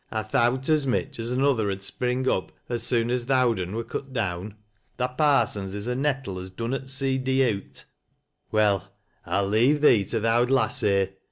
I thowt as mich as ^another ud spring up as soon as th' owd un wur cut down. Tha parsens is a nettle as dannot soon dee oot. Well, I'll leave thee to th' owd lass here.